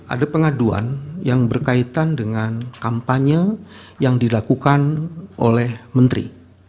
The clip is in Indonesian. ada pengaduan yang berkaitan dengan kampanye yang dilakukan oleh menteri